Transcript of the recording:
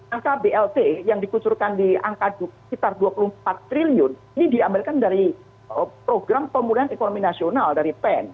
angka blt yang dikucurkan di angka sekitar dua puluh empat triliun ini diambilkan dari program pemulihan ekonomi nasional dari pen